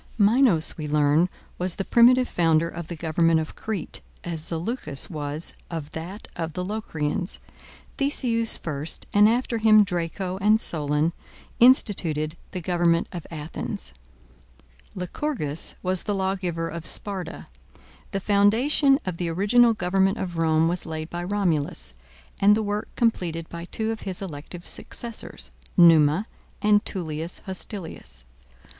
Minos, we learn, was the primitive founder of the government of Crete, as Zaleucus was of that of the Locrians. Theseus first, and after him Draco and Solon, instituted the government of Athens. Lycurgus was the lawgiver of Sparta. The foundation of the original government of Rome was laid by Romulus, and the work completed by two of his elective successors, Numa and Tullius Hostilius.